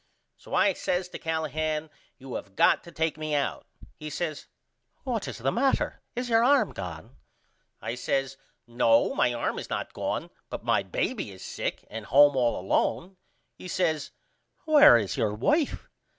So I says to Callahan You have got to take me out. He says What is the matter? Is your arm gone? I says No my arm is not gone but my baby is sick and home all alone. He says Where is your wife?